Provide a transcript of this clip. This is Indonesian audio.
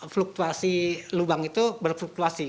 fluktuasi lubang itu berfluktuasi